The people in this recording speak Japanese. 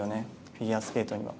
フィギュアスケートには。